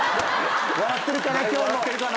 笑ってるかな？